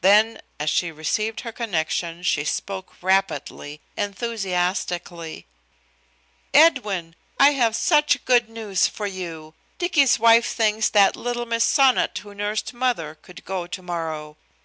Then, as she received her connection, she spoke rapidly, enthusiastically. "Edwin, I have such good news for you. Dicky's wife thinks that little Miss Sonnot who nursed mother could go tomorrow.